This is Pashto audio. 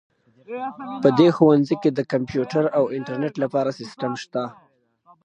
په دې ښوونځي کې د کمپیوټر او انټرنیټ لپاره سیسټم شته